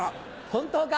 本当か？